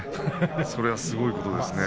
それは、すごいことですね。